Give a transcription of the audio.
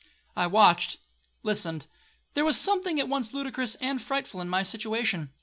I watched, listened,—there was something at once ludicrous and frightful in my situation.